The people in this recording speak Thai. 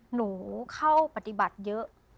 หนูเข้าปฏิบัติเยอะ